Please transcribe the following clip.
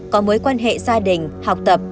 có mối quan hệ gia đình học tập